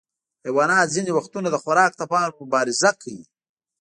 حیوانات ځینې وختونه د خوراک لپاره مبارزه کوي.